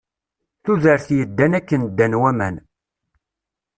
Tudert yeddan akken ddan waman.